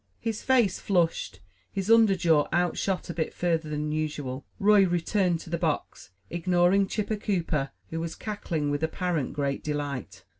His face flushed, his under jaw outshot a bit further than usual, Roy returned to the box, ignoring Chipper Cooper, who was cackling with apparent great delight.